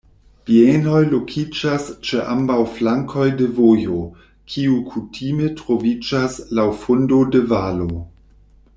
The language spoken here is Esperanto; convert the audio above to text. Bienoj lokiĝas ĉe ambaŭ flankoj de vojo, kiu kutime troviĝas laŭ fundo de valo.